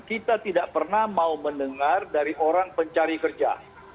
kita tidak pernah mau mendengar dari orang pencari kerja